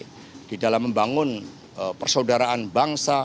di atas nilai nilai di dalam membangun persaudaraan bangsa